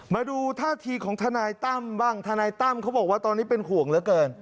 มาดูท่าทีของทนายตั้มบ้างทนายตั้มเขาบอกว่าตอนนี้เป็นห่วงเหลือเกิน